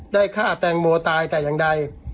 ฆ่าแตงโมตายแต่อย่างใด